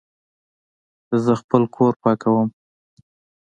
زه خپل کور پاکوم